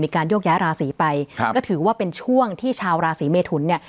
การโยกย้ายราศีไปครับก็ถือว่าเป็นช่วงที่ชาวราศีเมทุนเนี่ย